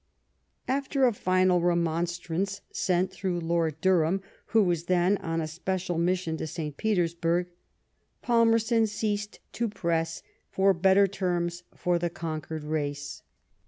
After a final remonstrance, sent through Lord Durham, who was then on a special mission to St. JPetersburg, Palmerston ceased to press for better terms for the conquered race.